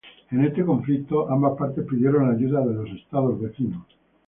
En este conflicto, ambas partes pidieron la ayuda de los estados vecinos.